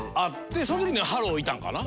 その時にハローいたんかな？